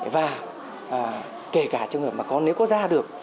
và kể cả trong lượng mà có nếu có ra được